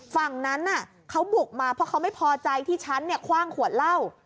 ฝั่งนั้นเขาบุกมาเพราะเขาไม่พอใจที่ฉันคว่างขวดเหล้า